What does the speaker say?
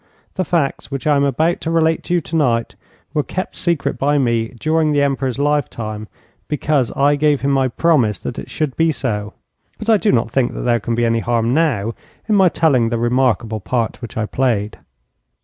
The facts which I am about to relate to you tonight were kept secret by me during the Emperor's lifetime, because I gave him my promise that it should be so, but I do not think that there can be any harm now in my telling the remarkable part which I played.